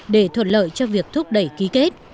để thuận lợi cho việc phát triển